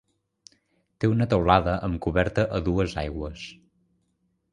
Té una teulada amb coberta a dues aigües.